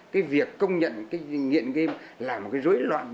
cái việc công nhận cái nghiện game là một cái rối loạn